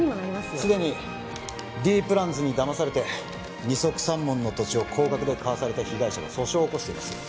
既にＤプランズにだまされて二束三文の土地を高額で買わされた被害者が訴訟を起こしています